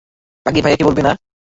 আগে ভাইয়াকে বলবে না?